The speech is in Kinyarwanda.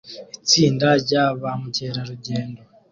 Itsinda rya ba mukerarugendo